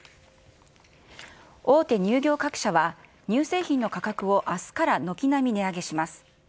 大手乳業各社は、乳製品の価格をあすから軒並み値上げします。